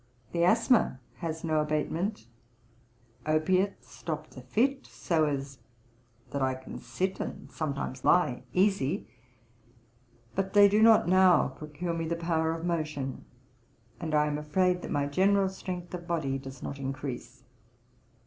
The asthma has no abatement. Opiates stop the fit, so as that I can sit and sometimes lie easy, but they do not now procure me the power of motion; and I am afraid that my general strength of body does not encrease.